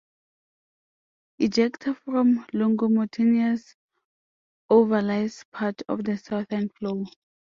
Ejecta from Longomontanus overlies part of the southern floor.